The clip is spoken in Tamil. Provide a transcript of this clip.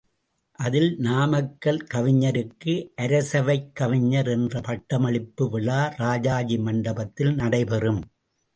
அதில் நாமக்கல் கவிஞருக்கு அரசவைக் கவிஞர் என்ற பட்டமளிப்பு விழா ராஜாஜி மண்டபத்தில் நடைபெறும்.